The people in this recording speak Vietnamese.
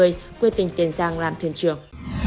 thuê tình tiền giang làm thuyền trưởng